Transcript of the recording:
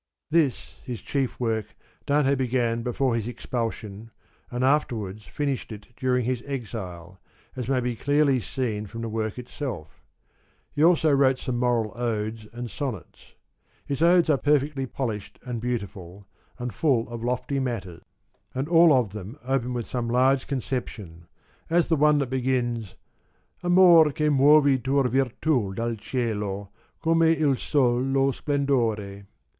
This his chief work Dante began before his ex pulsion, and afterwards finished it during his exile, as may be clearly seen from the work itself. He also wrote some moral Odes and Bonnets. His Odes are perfectly polished and beautiful, and full of lofty matter; and all of them open with some large concep tion, as the one that begins * Amor che muovi tua virtu dal cielo, Come il Sol lo splendore.'